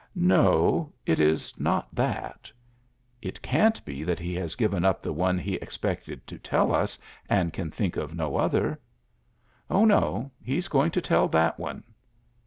"No, it is not that." "It can't be that he has given up the one he expected to tell us and can think of no other?" "Oh, no; he is going to tell that one."